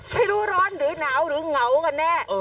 ไม่รู้ร้อนหรือหนาวหรือเหงากันแน่